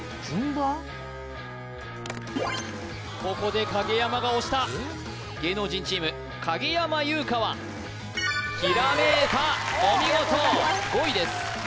ここで影山が押した芸能人チーム影山優佳はひらめいたお見事５位です